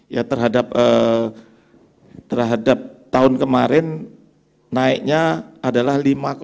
ya terhadap tahun kemarin naiknya adalah lima enam